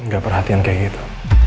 ga perhatian kayak gitu